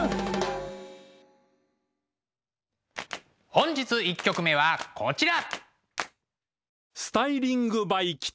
本日１曲目はこちら。